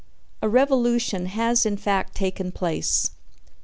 A revolution has in fact taken place.